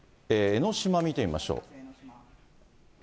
江の島見てみましょう。